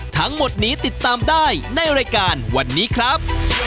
ทั้งหมดนี้ติดตามได้ในรายการวันนี้ครับ